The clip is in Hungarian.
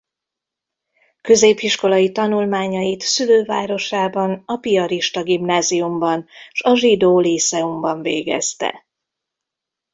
Középiskolai tanulmányait szülővárosában a Piarista Gimnáziumban s a Zsidó Líceumban végezte.